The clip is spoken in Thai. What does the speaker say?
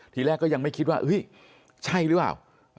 ทีแรกก็ยังไม่คิดว่าใช่หรือเปล่า